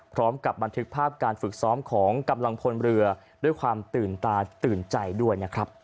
พร้อมกับบันทึกภาพการฝึกซ้อมของกำลังพลเรือด้วยความตื่นตาตื่นใจด้วยนะครับ